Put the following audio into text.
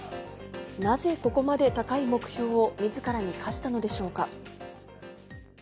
なぜ、ここまで高い目標をみずからに課したのでしょうか。